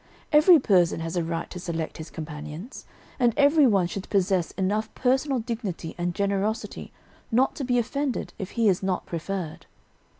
Every person has a right to select his companions, and every one should possess enough personal dignity and generosity not to be offended if he is not preferred.